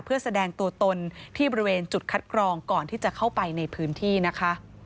เพื่อแสดงตัวตนที่บริเวณจุดคัดกรองก่อนที่จะเข้าไปในพื้นที่นะคะ